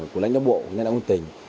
của lãnh đạo bộ nền ổng tỉnh